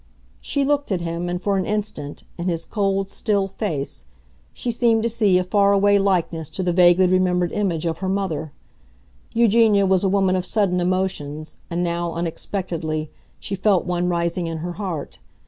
She looked at him, and for an instant, in his cold, still face, she seemed to see a far away likeness to the vaguely remembered image of her mother. Eugenia was a woman of sudden emotions, and now, unexpectedly, she felt one rising in her heart.